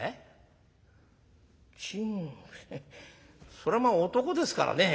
そりゃまあ男ですからね